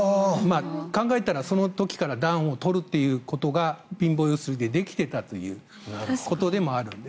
考えたら、その時から暖を取るということが貧乏揺すりでできていたということでもあるんです。